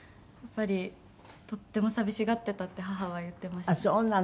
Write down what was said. やっぱり「とっても寂しがってた」って母は言ってました。